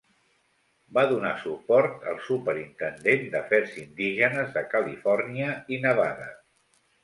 Va donar suport al Superintendent d'afers indígenes de Califòrnia i Nevada.